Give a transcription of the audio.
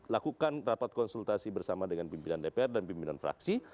lakukan rapat konsultasi bersama dengan pimpinan dpr dan pimpinan fraksi